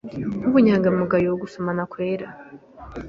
nkubunyangamugayo gusomana kwera